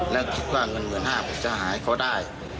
แล้วคิดว่าเงินเหลือ๑๕๐๐แต่หาให้เขาได้